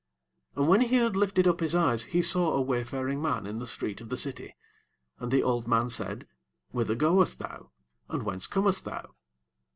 17 And when he had lifted up his eyes, he saw a wayfaring man in the street of the city: and the old man said, Whither goest thou? and whence comest thou?